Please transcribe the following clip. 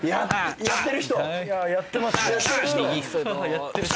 やってる人？